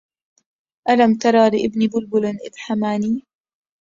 ألم تر لابن بلبل إذ حماني